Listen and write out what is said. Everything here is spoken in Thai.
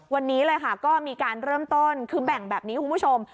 วันนี้เลยค่ะก็มีการเริ่มต้นคือแบ่งแบบนี้คุณผู้ชม